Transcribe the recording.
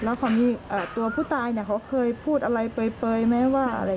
แล้วเขามีตัวผู้ตายเขาเคยพูดอะไรเปรยไหมว่าอะไรอย่างนี้